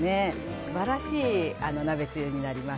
素晴らしい鍋つゆになります。